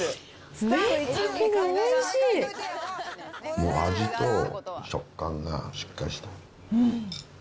もう味と食感がしっかりしてうん。